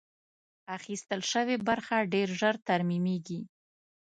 اخیستل شوې برخه ډېر ژر ترمیمېږي.